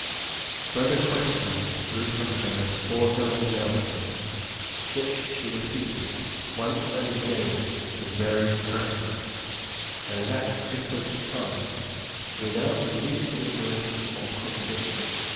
Further questioning drew from her the foregoing narrative, which she repeated once and again to various persons, and at different times, without the least alteration or contradiction.